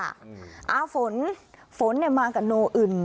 อ่าฝนฝนเนี่ยมากับโนอื่น